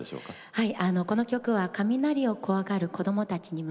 はい。